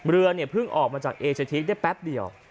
เรือเนี่ยเพิ่งออกมาจากเอเชทีกได้แป๊บเดียว